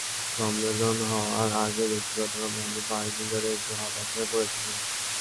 সম্মেলনে যাওয়ার আগে ব্যক্তিগতভাবে আমি কয়েক দিন ধরে একটু হতাশ হয়ে পড়েছিলাম।